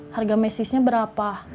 harga mesisnya berapa